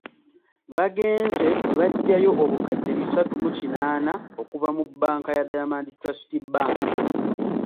Bagenze ne baggyayo obukadde bisatu mu kinaana okuva mu banka ya Diamond Trust Bank.